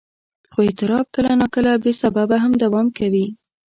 خو اضطراب کله ناکله بې سببه هم دوام کوي.